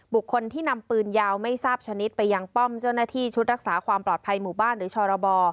บุคคลที่นำปืนยาวไม่ทราบชนิดไปยังป้อมเจ้าหน้าที่ชุดรักษาความปลอดภัยหมู่บ้านหรือชรบ